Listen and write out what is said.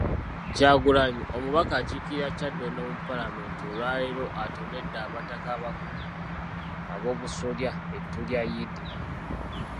Kyagulanyi, omubaka akiikirira Kyaddondo mu Paalamenti olwaleero atonedde abataka abakulu ab'obusolya ettu lya Eid.